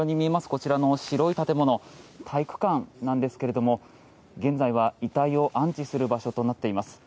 こちらの白い体育館体育館なんですけれど現在は遺体を安置する場所となっています。